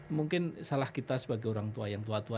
mungkin salah kita sebagai orang tua yang tua tua